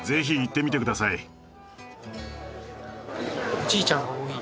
おじいちゃんが多い。